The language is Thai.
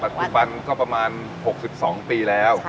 ปัจจุบันก็ประมาณ๖๒ปีแล้ว